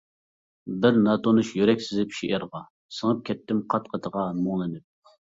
بىر ناتونۇش يۈرەك سىزىپ شېئىرغا، سىڭىپ كەتتىم قات-قېتىغا مۇڭلىنىپ.